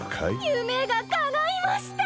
夢が叶いました！